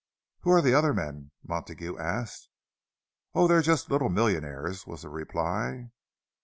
"Who are the other men?" Montague asked. "Oh, they're just little millionaires," was the reply.